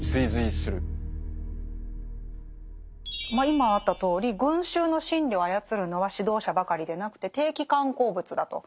今あったとおり群衆の心理を操るのは指導者ばかりでなくて定期刊行物だと。